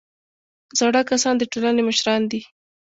زاړه کسان د ټولنې مشران دي